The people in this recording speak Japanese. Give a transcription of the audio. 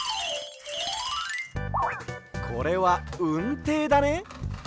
これはうんていだね。